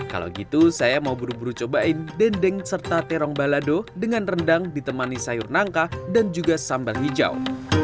kalau gitu saya mau buru buru cobain dendeng serta terong balado dengan rendang ditemani sayur nangka dan juga sambal hijau